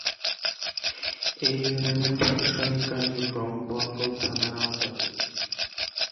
এ ইউনিয়নের প্রশাসনিক কার্যক্রম বরকল থানার আওতাধীন।